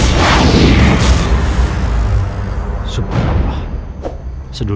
jangan sampai dia tercampur